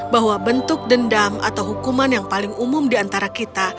bahwa bentuk dendam atau hukuman yang paling umum diantara kita